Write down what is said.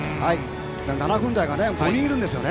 ７分台が５人いるんですよね。